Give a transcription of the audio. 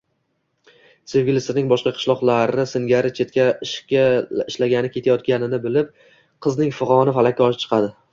sevgilisining boshqa qishloqdoshlari singari chetga ishlagani ketayotganini bilib, qizning fig`oni falakka chiqadi